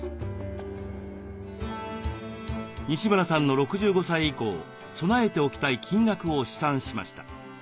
西村さんの６５歳以降備えておきたい金額を試算しました。